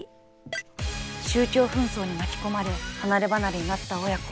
宗教紛争に巻き込まれ離れ離れになった親子。